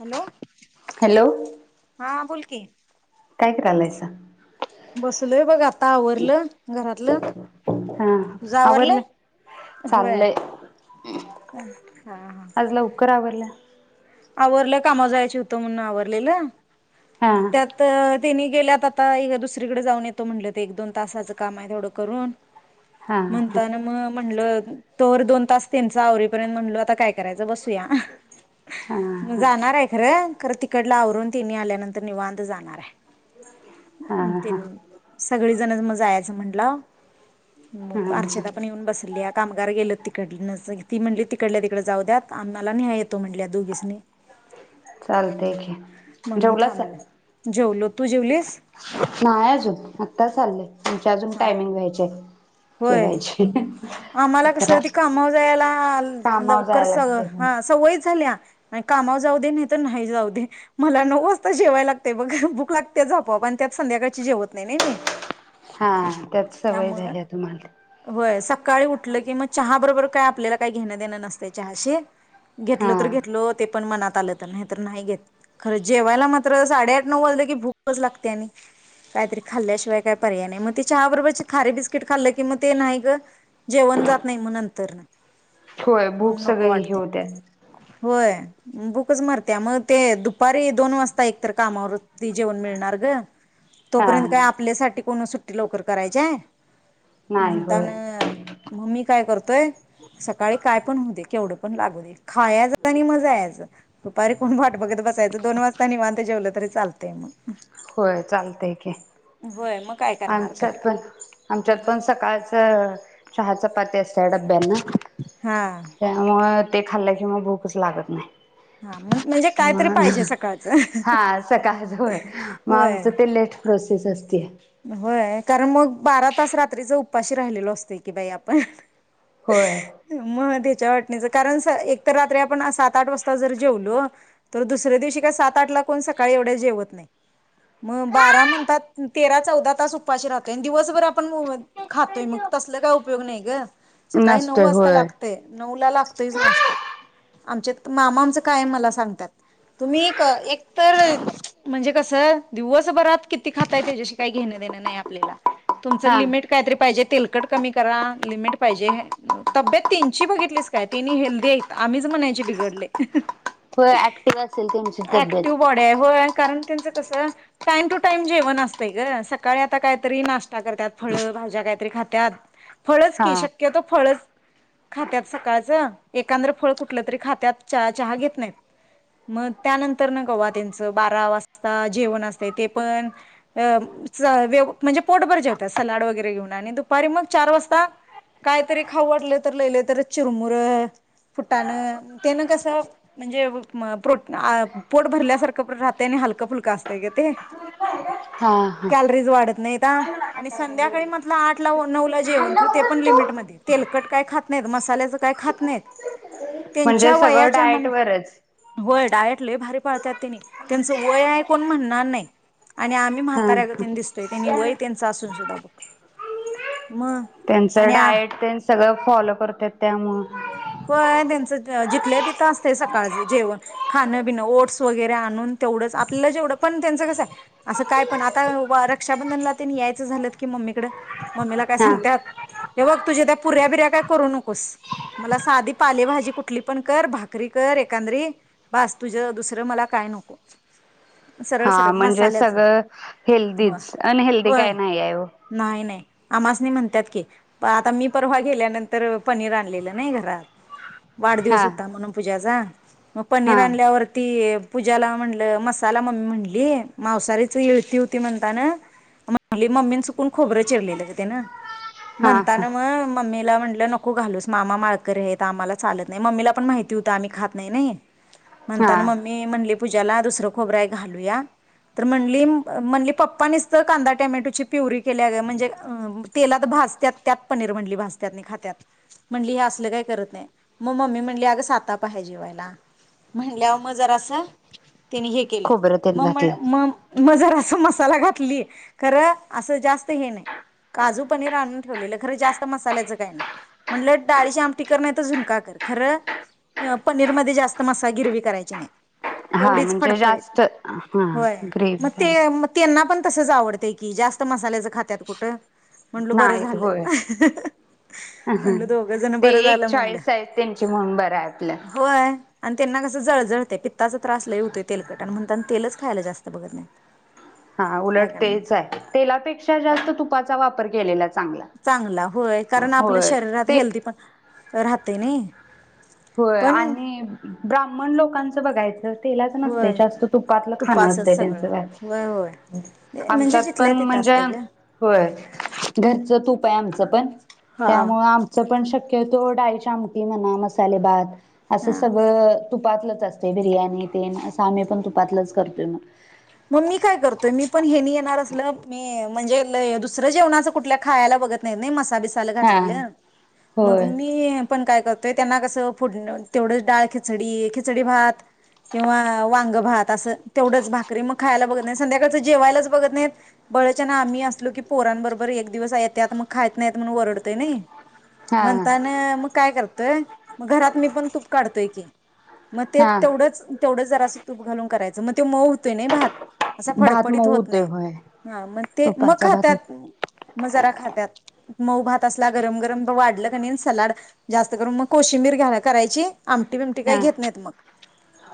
Hello? Hello हा बोल [inaudible] काय करायलायसा? बसलोय बघ आत्ता आवरल घरातल. हा तुझं आवरल? आवरलं होय चाललंय हा हा. आज लवकर आवरलं आवरल कामाव जायची हुतो म्हणून आवरलेल. हा त्यात त्यांनी गेल्यात आता एक दुसरीकड जाऊन येतो म्हणलत एक दोन तासाच काम हायं तेवढ करून हा म्हणताना म म्हणल तवर दोन [unintelligible] त्यांच आवरेपरेंत म्हणलो आता काय करायचं बसूया अह. जाणार हायं खरं. खरं तिकडल आवरून तिनी आल्यानंतर निवांत जाणार हायं. हा अं हा ते हा म सगळीजण म जायाच असं म्हंटलं मग अर्चना पण येऊन बसलिया. कामगार गेल तिकडनच ती म्हणली तिकडल्या तिकडड जाऊ द्यात आम्हाला न्ह्याय येतो म्हणली दोघीसनी. चालतंय की म्हणून थांबले. जेवलोत. तू जीवलीस? नाय अजून आत्ता चाल्लंय. तुमच्या अजून हां टायमिंग व्हायचेत. होय जेवायचे हम हम आम्हाला कस ते कामाव जायाला कामावर लवकर जायला सग लागतंय होय हा सवयच झालीया. आणि कामावर जाऊ दे नाही तर नाहय जाऊ दे मला नऊ वाजता जेवाय लागतय बघ भुक लागते झोपाप आणि त्यात संध्याकाळची जेवत नाही नाय मी हा त्यात सवय झालीय तुम्हाला उटल की मग चहा हा बरोबर काय आपल्याला काही घेण देणं नसत चहाशी हा घेतलो तर घेतलो ते पण मनात लं तर नाही तर नाही घेत खर जेवायला मात्र साडे आठ नऊ वाजलं की भूकच लागते आणि काहीतरी खाल्ल्याशिवाय काही पर्याय नाय मग ते चहा बरोबर खारे बिस्किट खाल्लं कि मग ते नाही ग जेवण जात नाही मग नंतरनं होय भुक सगळि हे होत्या भुकच मरत्या म ते दुपारी दोन वाजता एकतर कामावर ती जेवण मिळणार ग हा तोपर्यंत काय आपल्यासाठी कोण सुट्टी लवकर करायचीय. नाही म्हणतान होय म मी काय करतोय सकाळी काय पण हो दे केवढं पण लागू दे खायाच आणि म जायाच दुपारी कोण वाट बघत बसायचं दोन वाजता निवांंत जेवलं तरी चालतय म होय चालतय की, होय मग काय करणार तर आमच्यात पण आमच्यात पण सकाळचं चहा चपाती असत्या डब्यांना हा त्या मुळ ते खाल्ल की मग भूकच लागत नाय. हा मग म्हणजे कायतरी मग पाहिजे सकाळचं हा सकाळ जवळ मग होय आमचं ते लेट प्रोसे तेच असती होय कारण मग बारा तास रात्रीचा उपाशी राहिलेलो असतय की बाई आपण होय. आमच्या वाटणीच कारण स एक तर रात्री आपण सात आठ वाजता जर जेवलो तर दुसऱ्या दिवशी काय सात आठला कोण सकाळी एवढ जेवत नाय मग बारा म्हणतात तेरा चौदा तास उपाशी राहतोय दिवसभर आपण खातोय मग तसल काय उपयोग नाही ग सकाळी नऊ नसतोय वाजता होय लागतय नऊला लागतोयच नाश्ता आमच्यात मामाचं काय मला सांगतात तुम्ही एक तर म्हणजे कसं दिवसभरात किती खात काय त्याच्याशी काय घेणं देणं नाय आपल्याला तुमचं हा लिमिट काय तरी पाहिजे तेल तेलकट कमी करा लिमिट पाहिजे तब्येत त्यांची बघितलीस काय तेनी हेल्दी येत आम्हीच म्हणायचे बिघडले. हो ऍक्टिव असेल त्यांची तब्येत त्याचं कस टाइम टू टाइम जेवण असं असतय ग सकाळी आता काहीतरी नाश्ता करत्यात फळ भाज्या काहीतरी खात्यात फळच हा की शक्यतो फळच खात्यात सकाळचं एकाद्र फळ कुठलं तरी खात्यात चहा चहा घेत नाहीत मग त्यानंतर न कवा त्यांचं बारा वाजता जेवण असते ते पण अ स म्हणजे पोटभर जेवतात सलाड वगैरे घेऊन आणि दुपारी मग चार वाजता काहीतरी खाऊ वाटलं तर लई लई तर चिरमुर फुटाणं तेन कसं म्हणजे प्रोट पोट भरल्यासारखं राहतं आणि हलकं फुलकं असत ग ते हा हा कॅलरीज वाढत नाही आणि संध्याकाळी म्हटलं आठ ला नऊ ला जेवण करते पण लिमिटमध्येच तेलकट काय खात नाहीत मसाल्याच काय खात नाहीत म्हणजे त्यांच्या सगळं वयाच्या म्हणा डायट वरच होय डायट लई भारी पाळत्यात ते त्याचं आहे वय कोणी म्हणनार नाही मी म्हाताऱ्या गत दिसतोय त्यांनी हा वय त्यांचा असून सुद्धा [inaudible] त्यांचं आणि आ डायट न ते सगळं फॉलो करत्यात त्यामुळ होय त्यांचं जितलंय तिथं असतेय सकाळचं जेवण खाणं पिणं ओट्स वगैरे आणून तेवढंच आपल्यालं जेवढं पण त्यांचं कसं आहे असं काय पण आता रक्षाबंधनला त्यांनी यायचं झालं की मम्मीकडं मम्मी ला काय हा सांगत्यात हे बघ तुझ्या त्या पुऱ्या बिऱ्या काय करू नकोस? मला साधी पालेभाजी कुठली पण कर भाकरी कर एंकादरी बस तुझ दुसरं मला काय नको सरळ हा सरळ म्हणजे मसाल्याचं सगळं हो हेल्दीच अनहेल्दी काय होय नाही आहे? वो नाही नाही आमासनी म्हणतात की आता मी परवा गेल्यानंतर पनीर आणलेलं नाही घरात वाढदिवस हा होता म्हणून पूजाचा मग पनीर हा आणल्यावर ती पूजाला म्हणल मसाला मम्मी म्हणली मांसारीच इळती होती म्हणताना म्हनली मम्मीने सुकून खोबरं चिरलेलं ते ना हा हा म्हणताना मग मम्मीला म्हणलं नको घालूस मामा माळकरी आहेत आम्हाला चालत नाही मम्मीला पण माहिती होत आम्ही खात नाही नाही हा म्हणताना मम्मी म्हणली पूजाला दुसरं खोबर हाय घालूया तर म्हणली म्हणली पप्पा निसत कांदा टोमॅटो ची प्युरी केल्या म्हणजे तेलात भाजत्यात त्यात पनीर म्हणली भाजत्यात नी खात्यात म्हणाली हे असं म्हणलं काय करत नाही मग मम्मी म्हणली अग सातापा हाय जेवायला म्हणल्यावर मग जरास त्यांनी हे केलं खोबरं तेन मग घातलं म म जरा मसाला घातली खरं अस जास्त हे नाही काजू पनीर आणून ठेवलेलं खरं जास्त मसाल्याचं काय नाही म्हणलं डाळीची आम- टी कर नाही तर झुणका कर खरं पनीर मध्ये जास्त मसा गिरवी करायची नाही हा तेवढीच म्हणजे फडपडीत जास्त हा होय मग ग्रेव्ही काय ते मग त्यांना पण तसच आवडतंय की जास्त मसाल्याचं खात्यात कुठं म्हणलो बरं नाहीत झालं होय. [unintelligible] म्हटल दोघ जण ते बरं एक झालं म्हणलं चाळीस आहेत त्यांची म्हणून बरं आहे आपलं होय आणि त्यांना कसं जळजळतंय पित्ताचा त्रास लई होतोय तेलकटानं म्हणतान तेलच खायला जास्त बघत नाही हां काय उलट तेच करणार आहे तेलापेक्षा जास्त तुपाचा चा वापर केलेला चांगला. चांगला होय कारण आपल्या होय शरीरात ते हेल्दी पण राहतेय नाही होय पण आणि ब्राह्मण लोकांचं बघायचं तेलाच न होय जास्त तुपातलं खाण असत तुपाचच सगळं त्यांनच होय होय म्हणजे आमच्यात पण जिथल्या तिथं म्हणजे असते ग होय घरच तूप आमचं पण हा त्यामुळे आमचं पण शक्य की तूर डाळीची आमटी म्हणा मस्त सालेबाद असं हा सगळं तुपातलंच असतंय बिर्याणी तेन असं आम्ही पण तुपातलंच करतोय मग मग मी काय करतोय मी पण हेनी येणार असलं मी म्हणजे दुसरं जेवणाच कुठल्या खायला बघत नाही नाही मस् मसाला बिसाले हा घातलेलं मग होय मी पण काय कर ते त्यांना कसं फोडण तेवढंच डाळ खिचडी खिचडी भात किंवा वांग भात असं तेवढच भा करी मग खायला बघत नाही संध्याकाळचं जेवायलाच बघत नाहीत बळच्यान आम्ही असलो की पोरांबरोबर एक दिवस येत्यात मग खाईत नाहीत म्हणून वरडतोय नई हा म्हणताना मग काय करतोय मग घरात मी पण तूप काढतोय की मग ते हा तेवढंच तेवढं जरा असं तूप घालून करायचं तर म ते मऊ हु- तोय नाही भात असा भात फडफडीत मऊ होत होतोय नाही होय हां मग ते मग तुपाचा भात खात्यात मग जरा खात्यात मऊ भात असला गरम गरम वाढलं क नाही सलाड जास्त करून मग कोशिंबीर घ्याला करायची आमटी बिमटी काही हा घेत नाहीत मग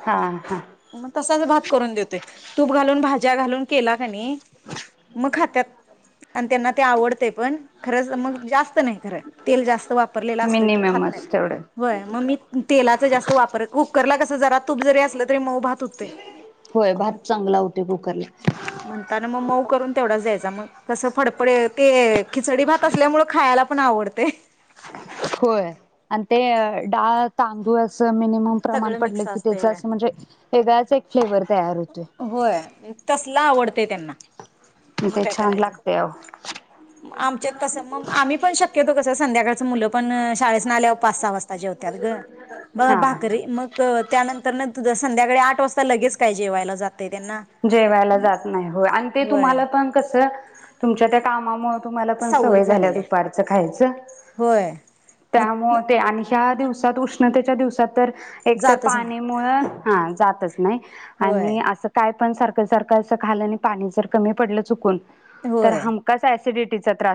हा हा मग तसाच भात करून देतोय तूप घालून भाज्या घालून केला कनी मग खात्यात आणि त्यांना ते आवडते पण खरच मग जास्त नाही खर तेल जास्त वापरलेला असलं की खात नाहीत मिनिममच तेवढं व्हय मग मी तेलाचा जास्त वापर कुकरला कस जरा तूप जरी असलं तरी मऊ भात हुतोय होय भात चांगला हुतोय कुकरला म्हणताना मग मऊ करून तेवढाच द्यायचा मग कस फडफड ते खिचडी भात असल्यामुळे खायाला पण आवडतय होय आणि ते डाळ तांदूळ अस मिनिमम प्रमाण सगळं पडलं मिक्स की असते त्याच वया असं म्हणजे वेगळाच एक फ्लेवर तयार होतोय. होय तसला आवडते त्यांना - मग ते काय छान करायचं लागते अहो आमच्यात तस मग आम्ही पण शक्यतो कसं संध्याकाळच मुलं पण शाळेेसनं आल्यावर पाच सहा वाजता जेवत्यात ग मग हा भाकरी मग त्यानंतर न तू जसं संद्याकाळी आठ वाजता लगेच काय जेवायला जात जेवायला जात नाही होय आणि ते होय तुम्हाला पण कस तुमच्या त्या कामामुळ तुम्हाला पण सवय झाल्या झालेली आहे दुपारचं खायचं होय. मग त्यामुळ ते आणि ह्या दिवसात साथ उष्णतेच्या दिवसात तर एक तर जातच नाही पाणीमुळे हा जातच नाही होय आणि अस काय पण सारखं सारखं अस खाल्लं आणि पाणी जर कमी पडलं चुकून तर होय. हमकास ऍसिडिट तीच त्रा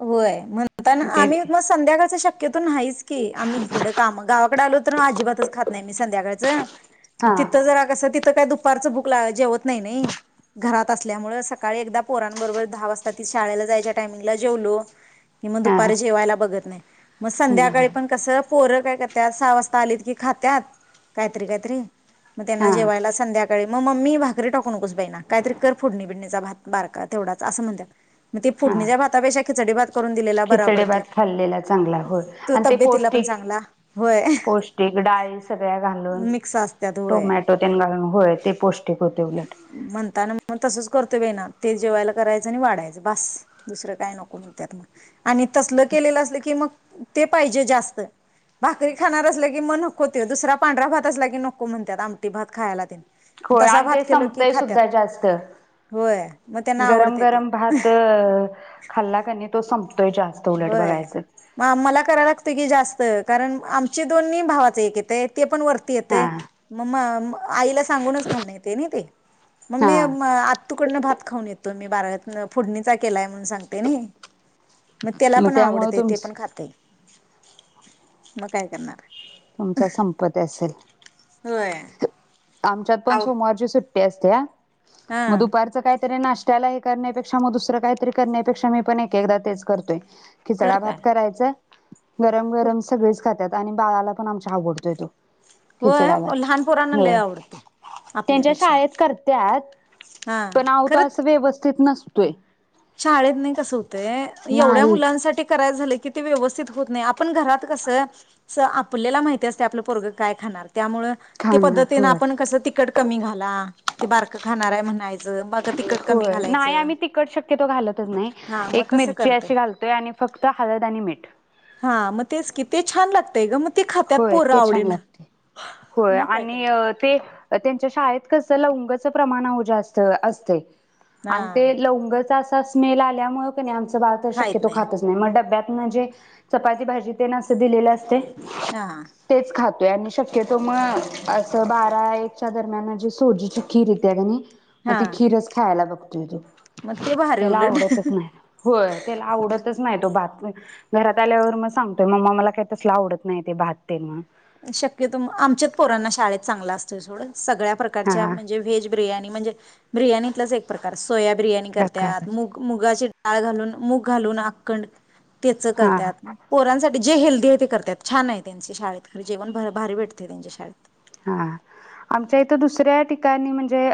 होय म्हणता ना ते आम्ही मग संध्याकाळचा शक्यतो नाहीच की, आम्ही इकड काम गावाकडे आलो तर अजिबातच खात नाही संध्याकाळचं हा तिथं जरा कस तिथ काय दुखत दुपारच भूक लाग जेवत नाही नी घरात असल्यामुळे सकाळी एकदा पोरांबरोबर दहा वाजता शाळेला जायच्या टायमिंग जेवलो कि मग हा हा दुपारी जेवायला बघत नाही. मग संध्याकाळी पण कसं पोरं काय करत्यात सहा वाजता आलीत की खात्यात काहीतरी काहीतरी मग त्यांना हा जेवायला संध्याकाळी मग मम्मी भाकरी टाकू नकोस बाई ना कायतरी कर फोडणी बिडणीचा भात बारका तेवढाच असं म्हणतात. ते हा फोडणीच्या भात खेचडी भात करून दिलेला बरा खिचडे पडतोय भात खाल्लेला चांगला होय तो आणि ते तब्येतीला पण पौष्टिक चांगला होय पौष्टिक डाळी सगळ्या घालून मिक्स असत्यात होय टोमॅटो त्यान घालून होय ते पौष्टिक होते उलट म्हणताना मग तसंच करतोय बाईना ते जेवायला करायचं आणि वाढायचं बास दुसरं नको म्हणत्यात मग आणि तसल केलेलं असलं की मग ते पाहिजे जास्त भाकरी खाणार असलं की म नको ते दुसरा पांढरा भात असला की नको म्हणतात आमटी भात खायला होय तसा आणि ते भात केलो की संपतय खात्यात सुद्धा जास्त होय मग त्यांना गरम आवडते ते गरम भात खाल्ला क नी तो संम होय म मला करा लागत की जास्त त कारण आमची दोन्ही भावात तेक येतेय वरती येतंय हा म मा आईला सांगूनच घालण येत न ते मम मी हा म आत्तूकडन भात खाऊन येतो मी बारळयातन फुडणीचा केलाय म्हणून सांगते नई म त्याला मग पण त्यामुळे आवडते ते तुमच पण खातय. म काय करणार तुमचा संपत असेल. होय आमच्यात पण आव सोमवारची सुट्ट तेस त्या हा म दुपारचं काय? नाश्त्यालाही करण्यापेक्षा मग दुसरं काहीतरी करण्यापेक्षा मी पण एक एकदा तेच करतोय. तर खिचडा काय भात करायचा. गरम गरम सगळेच खात्यात. आणी बाळाला पण आमच्या आवडतोय तो होय खिचडा पण भात. लहान पोराना होय त्यांच्या शाळेत कर त्यात हा पण आव तो खरं असं व्यवस तीत नसतोय शाळेत नही कसं होत. ते एवढ्या नाही मुलांसाठी करायच झाल की व्यवस्थित होत नाही आपण घरात कस स आपल्याला माहिती असतय आपलं पोरग काय खाणार. त्यामुळे ते खाणार पद्धतीनं होय. आपण कसं तिकड कमी घाला ते बारकं खाणार आहे म्हणायच बकत होय नाही आम्ही तिकट शक तो घालतच नाही हा मग एक तसं मिरची करत अशी घालतोय आणि फक्त हळद आणि मीठ हा मग तेच की ते छान ते लागतंय गम होय ते छान लागते होय मग काय आणि करायचं ते त्यांच्या शाळेत कस लवंगचं प्रमाण जास्त असतय. आणि हा ते लवंगाच अस सासमेला आल्यामुळं कनाय आमचं भात शक्यतो खातच नाही म डब्यात म्हणजे चपाती भाजी ते ना असं दिलेलं असतय. हा तेच खात आणि शक्यतो मग असं बारा एकच्या दरम्यान म्हणजे सोजीची खीर येतीया का नई मग हा ते खीरच खायला बघ मग ते [unintelligible] भारी त्याला आवडतच उलट नाही, होय त्याला आवडत खातच नाही तो भात घरात आल्यावर मग सांगतोय मम्मा मला काय तसल आवडत नाही. ते भात तेन शक्यतो आमच्याच पोरांना शाळेत चांगला असतोय सोड सगळ्या प्रकारच्या हा म्हणजे व्हेज बिर्याणी म्हणजे बिर्याणीतच एक प्रकार सोया बिर्याणी करते प्रकार आात मुग मुगाची डाळ घालून मूग घालून अखंड तेच करत हा. पोरांसाठी जे हेल्दी आहे ते करत्यात छान आहे त्यांचे शाळेत खरं जेवण भ भारी भेटते त्यांच्या शाळेत हा आमच्या इथं दुसऱ्या ठिकाणी म्हणजे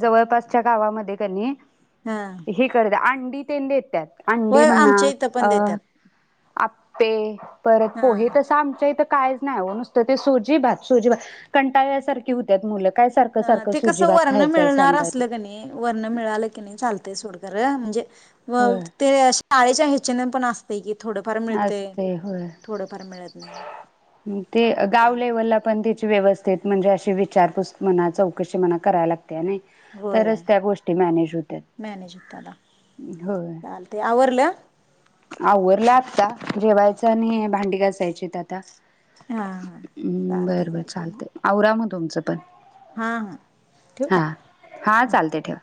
जवळपासच्या गावामध्ये कनी हा ही कर द आंडी तेन देत्यात अंडी होय म्हणा आमच्या इथं अ पण देतात आप ते परत पोहे हा तसं आमच्या इथं काहीच नाही हो नुसतं ते सोजी भात सोजी भात कंटाळ्यासारखी होत्यात मूल अ ते कस वरण मिळणार तू असलं की नाही वरण मिळालं की नाही चालतय सोड र म्हणजे व होय ते शाळेच्या चनन पण असतय की थोडंफार मिळतंय असते होय थोडंफार मिळत नाही. ते गाव लेवलला पण त्याची व्यवस्था म्हणजे अशी विचारपूस मना चौकशी मला करायला लागते होय तरच त्या गोष्टी मॅनेज होतात मॅनेज होतं आता चालतंय आवरलं? आवरल आत ता जेवायच आणि भांडी घासायची आता हा हा हम्म चालतंय बर बर चालतंय मग चालत आवरा मग तुमचं पण हा हा ठेवू हा काय? हा चालते ठेवा